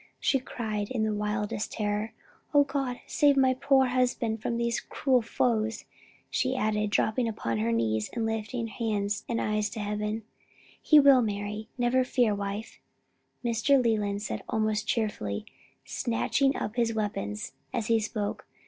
she cried in the wildest terror. "O God save my poor husband from these cruel foes!" she added, dropping upon her knees and lifting hands and eyes to heaven. "He will, Mary, never fear, wife," Mr. Leland said almost cheerfully, snatching up his weapons as he spoke.